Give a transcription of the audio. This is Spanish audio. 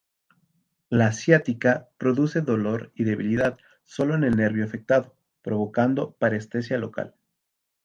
La ciática produce dolor y debilidad sólo en el nervio afectado, provocando parestesia local.